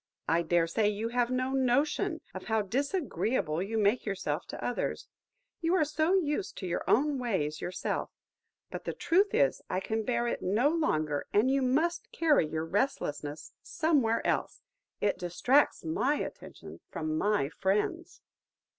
I dare say you have no notion of how disagreeable you make yourself to others; you are so used to your own ways, yourself. But the truth is, I can bear it no longer, and you must carry your restlessness somewhere else–it distracts my attention from my friends!"